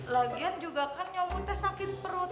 lagian juga kan nyomud teh sakit perut